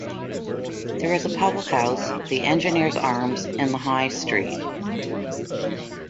There is a public house, The Engineer's Arms in the high street.